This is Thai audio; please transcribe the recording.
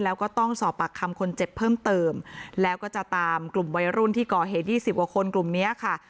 แล้วก็ต้องสอบปากคำคนเจ็บเพิ่มเติมแล้วก็จะตามกลุ่มวัยรุ่นที่ก่อเหตุ๒๐กว่าคนกลุ่มนี้ค่ะ